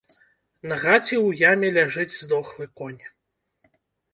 На гаці ў яме ляжыць здохлы конь.